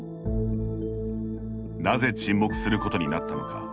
なぜ沈黙することになったのか。